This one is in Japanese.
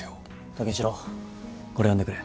武四郎これ読んでくれ。